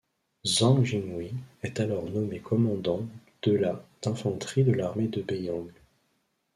Zhang Jinghui est alors nommé commandant de la d'infanterie de l'armée de Beiyang.